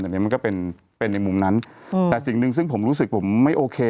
อันนี้มันก็เป็นเป็นในมุมนั้นอืมแต่สิ่งหนึ่งซึ่งผมรู้สึกผมไม่โอเค